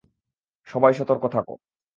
সবাই সতর্ক থাক!